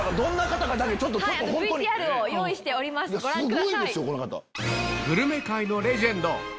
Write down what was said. ＶＴＲを用意しておりますご覧ください。